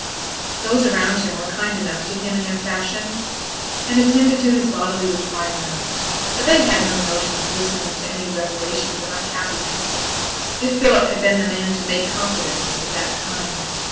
Those around him were kind enough to him in their fashion, and attended to his bodily requirements; but they had no notion of listening to any revelations of unhappiness, if Philip had been the man to make confidences of that kind.